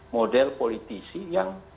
model politisi yang